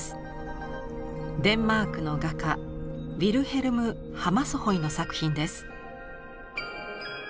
デンマークの画家ヴィルヘルム・ハマスホイの作品です。